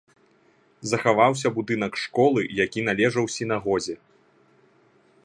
Захаваўся будынак школы, які належаў сінагозе.